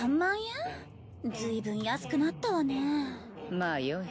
まあよい。